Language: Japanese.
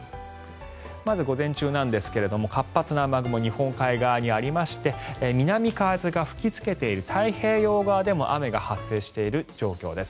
まず午前中なんですが活発な雨雲日本海側にありまして南風が吹きつけている太平洋側でも雨が発生している状況です。